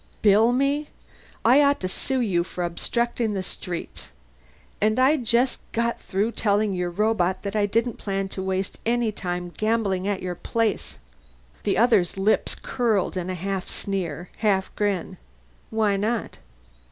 "Bill me? I ought to sue you for obstructing the streets! And I just got through telling your robot that I didn't plan to waste any time gambling at your place." The other's lips curled into a half sneer, half grin. "Why not?"